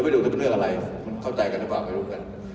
ไม่รู้จะเป็นเรื่องอะไรมันเข้าใจกันหรือเปล่าไม่รู้กัน